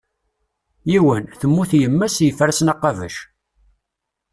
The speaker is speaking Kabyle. Yiwen, temmut yemma-s, yeffer-asen aqabac.